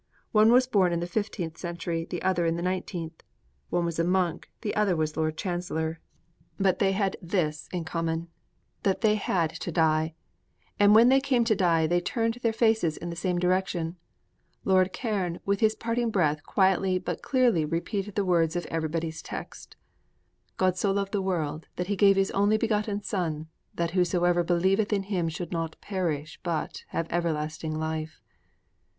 One was born in the fifteenth century; the other in the nineteenth. One was a monk; the other was Lord Chancellor. But they had this in common, that they had to die. And when they came to die, they turned their faces in the same direction. Lord Cairns, with his parting breath, quietly but clearly repeated the words of Everybody's Text. _God so loved the world that He gave His only begotten Son that whosoever believeth in Him should not perish but have everlasting life.